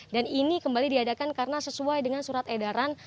dan ini kembali diadakan karena sesuai dengan surat edaran